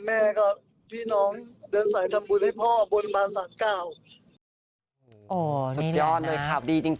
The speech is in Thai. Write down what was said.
แม่ครับพี่น้องเดินสายทำบุญให้พ่อบนบานสาดก้าว